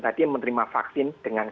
tadi menerima vaksin dengan